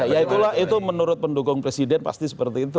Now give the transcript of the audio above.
ya itulah itu menurut pendukung presiden pasti seperti itu